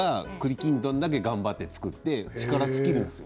きんとんだけ頑張って作って力尽きるんですよ。